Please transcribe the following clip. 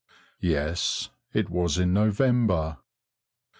Yes, it was in November.